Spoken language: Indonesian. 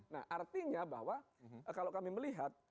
nah artinya bahwa kalau kami melihat